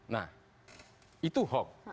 nah itu hok